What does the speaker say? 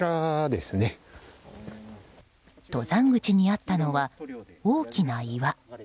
登山口にあったのは大きな岩。